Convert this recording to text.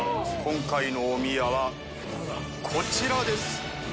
今回のおみやはこちらです。